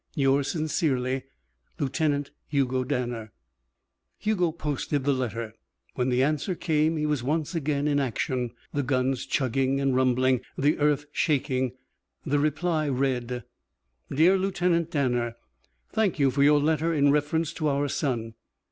"Yours sincerely, "(LIEUTENANT) HUGO DANNER" Hugo posted the letter. When the answer came, he was once again in action, the guns chugging and rumbling, the earth shaking. The reply read: "DEAR LIEUTENANT DANNER: "Thank you for your letter in reference to our son.